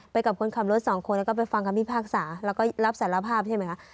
กับคนขับรถสองคนแล้วก็ไปฟังคำพิพากษาแล้วก็รับสารภาพใช่ไหมคะ